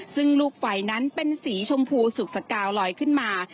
ซึ่งลูกไฟนั้นเป็นสีชมพูสุขสกาวลอยขึ้นมา